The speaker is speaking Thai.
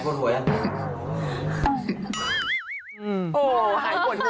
หายอ่ะหายปวดหัวแล้ว